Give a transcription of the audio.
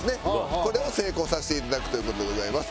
これを成功させて頂くという事でございます。